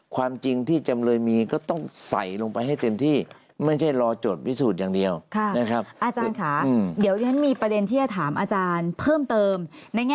ความจริงที่จำเลยมีก็ต้องใส่ลงไปให้เต็มที่